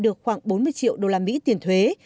được khoảng bốn mươi triệu usd tiền thuế